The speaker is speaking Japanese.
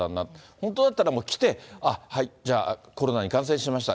本当だったら、来て、あっ、はい、じゃあ、コロナに感染しました、